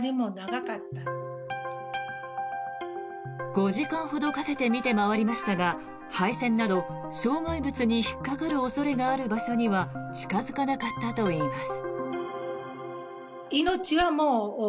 ５時間ほどかけて見て回りましたが配線など、障害物に引っかかる恐れがある場所には近付かなかったといいます。